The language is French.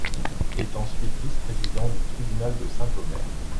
Il est ensuite vice-président du tribunal de Saint-Omer.